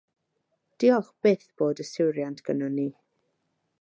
Diolch byth bod yswiriant gynnon ni.